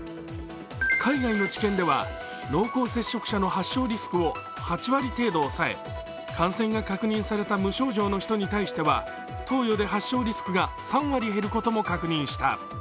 海外の知見では濃厚接触者の発症リスクを８割程度抑え感染が確認された無症状の人に対しては投与で発症リスクが３割減ることも確認した。